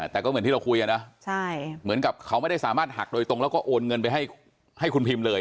แต่ก็เหมือนที่เราคุยนะเหมือนกับเขาไม่ได้สามารถหักโดยตรงแล้วก็โอนเงินไปให้คุณพิมพ์เลย